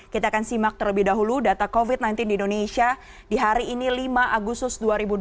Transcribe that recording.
kita akan simak terlebih dahulu data covid sembilan belas di indonesia di hari ini lima agustus dua ribu dua puluh